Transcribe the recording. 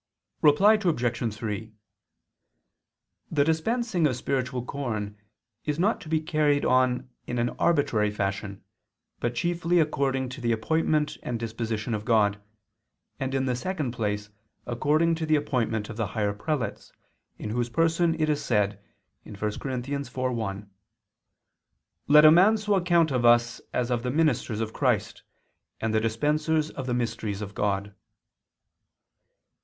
Reply Obj. 3: The dispensing of spiritual corn is not to be carried on in an arbitrary fashion, but chiefly according to the appointment and disposition of God, and in the second place according to the appointment of the higher prelates, in whose person it is said (1 Cor. 4:1): "Let a man so account of us as of the ministers of Christ, and the dispensers of the mysteries of God."